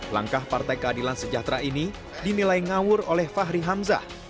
langkah partai keadilan sejahtera ini dinilai ngawur oleh fahri hamzah